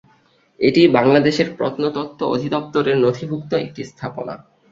এটি বাংলাদেশের প্রত্নতত্ত্ব অধিদপ্তরের নথিভূক্ত একটি স্থাপনা।